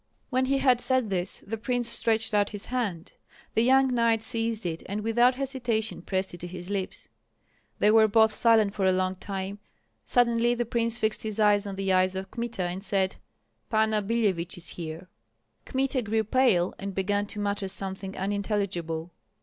When he had said this, the prince stretched out his hand. The young knight seized it, and without hesitation pressed it to his lips. They were both silent for a long time; suddenly the prince fixed his eyes on the eyes of Kmita and said, "Panna Billevich is here!" Kmita grew pale, and began to mutter something unintelligible.